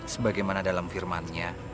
sebagaimana dalam firmannya